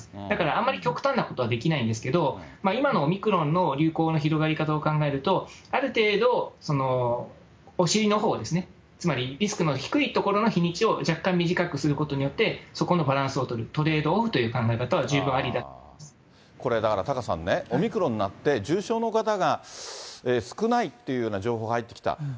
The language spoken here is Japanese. だからあまり極端なことはできないんですけど、今のオミクロンの流行の広がり方を考えると、ある程度お尻のほうですね、つまり、リスクの低いところの日にちを若干短くすることによって、そこのバランスを取れるというトレードオフという考え方は、十分これ、だからタカさんね、オミクロンになって、重症化の方が少ないっていうような情報入ってきた。